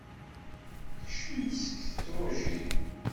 Kcem-d seg tedrujin.